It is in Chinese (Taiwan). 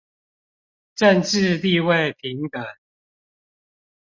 政冶地位平等